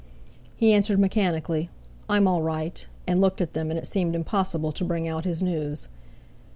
He answered mechanically: "I'm all right," and looked at them, and it seemed impossible to bring out his news.